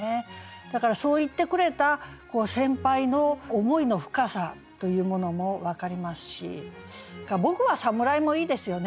だからそう言ってくれた先輩の思いの深さというものも分かりますし「僕は侍」もいいですよね